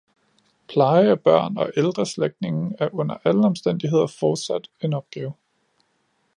Pleje af børn og ældre slægtninge er under alle omstændigheder fortsat en opgave.